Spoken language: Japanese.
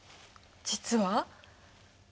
実は？